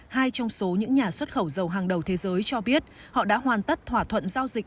hai trong số những nhà xuất khẩu dầu hàng đầu thế giới cho biết họ đã hoàn tất thỏa thuận giao dịch